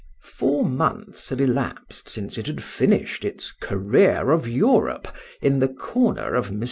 Four months had elapsed since it had finished its career of Europe in the corner of Mons.